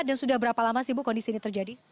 dan sudah berapa lama sih ibu kondisi ini terjadi